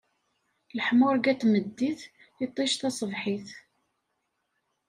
Leḥmuṛegga n tmeddit, iṭij taṣebḥit!